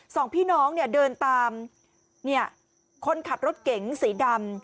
สองพี่น้องเนี่ยเดินตามคนขับรถเก๋งสีดำ